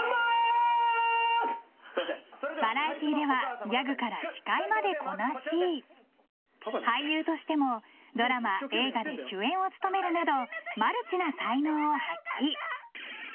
バラエティーではギャグから司会までこなし俳優としてもドラマ、映画で主演を務めるなどマルチな才能を発揮。